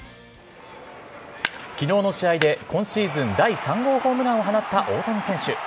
きのうの試合で今シーズン第３号ホームランを放った大谷選手。